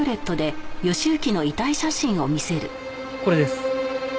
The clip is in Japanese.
これです。